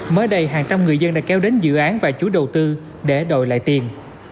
mới đây hàng trăm người dân đã kéo đến dự án và chú đầu tư để đổi lại tiền